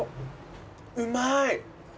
うまい！